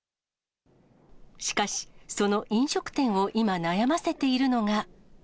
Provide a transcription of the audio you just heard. しかし、その飲食店を今、悩ませているのが。